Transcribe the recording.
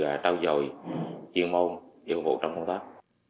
tự học tự trao dồi chuyên môn để phục vụ trong công tác